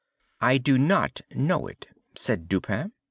"I do not know it," said Dupin.